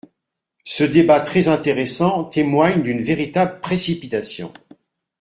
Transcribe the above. Ce débat très intéressant témoigne d’une véritable précipitation.